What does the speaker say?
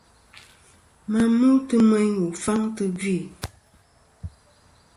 Ma mutɨ meyn wù faŋ tɨ̀ gvì.